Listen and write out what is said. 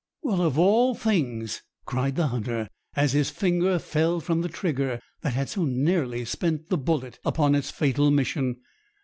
"Well, of all things!" cried the hunter, as his finger fell from the trigger that had so nearly sent the bullet upon its fatal mission.